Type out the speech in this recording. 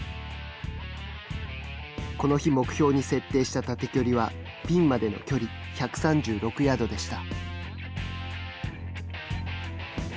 この日、目標に設定した縦距離はピンまでの距離１３６ヤードでした。